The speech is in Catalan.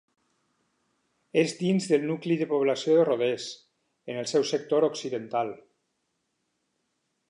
És dins del nucli de població de Rodés, en el seu sector occidental.